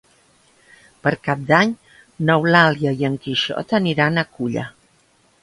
Per Cap d'Any n'Eulàlia i en Quixot aniran a Culla.